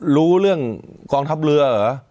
รู้เรื่องกองทัพเรือเหรอ